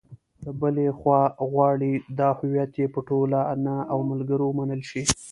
له بلې خوا غواړي دا هویت یې په ټولنه او ملګرو ومنل شي.